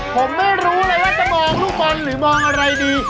ผมไม่รู้เลยว่าจะมองลูกบอลหรือมองอะไรดี